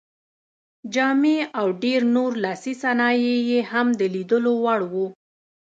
جامې او ډېر نور لاسي صنایع یې هم د لیدلو وړ وو.